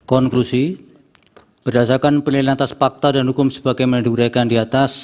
konklusi berdasarkan penilaian atas fakta dan hukum sebagaimana diuraikan di atas